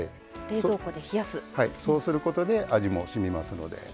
そうすることで味もしみますので。